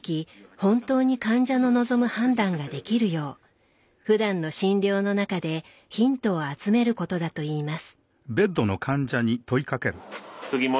本当に患者の望む判断ができるようふだんの診療の中でヒントを集めることだといいます。